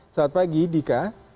selamat pagi dika